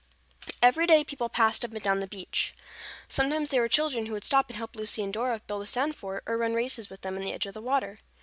Every day people passed up and down the beach. Sometimes they were children who would stop and help Lucy and Dora build a sand fort or run races with them in the edge of the water.